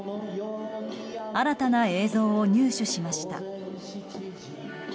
新たな映像を入手しました。